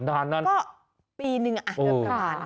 ก็ปีหนึ่งอ่ะเรียบประมาณ